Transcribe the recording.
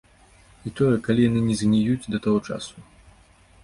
І тое, калі яны не згніюць да таго часу.